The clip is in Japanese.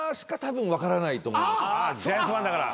ジャイアンツファンだから。